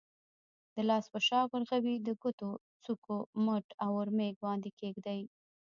د لاس په شا، ورغوي، د ګوتو څوکو، مټ او اورمیږ باندې کېږدئ.